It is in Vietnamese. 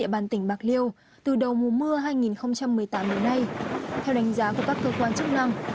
địa bàn tỉnh bạc liêu từ đầu mùa mưa hai nghìn một mươi tám đến nay theo đánh giá của các cơ quan chức năng